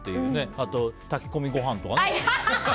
あと炊き込みご飯とかね。